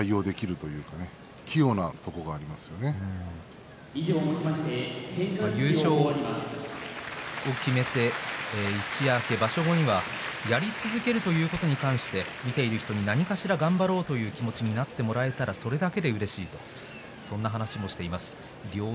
横綱だからこそそういう相撲スタイルに対応できるという優勝を決めて一夜明けて場所後にはやり続けるということに関して見ている人に何かしら頑張ろうという気持ちになってもらえたらそれだけでうれしいとそんな話もしていました。